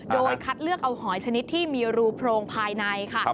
โดยคัดเลือกเอาหอยชนิดที่มีรูโพรงภายในค่ะ